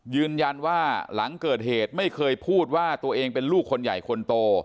หลังเกิดเหตุไม่เคยพูดว่าตัวเองเป็นลูกคนใหญ่คนโต